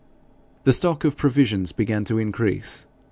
The stock of provisions began to increase.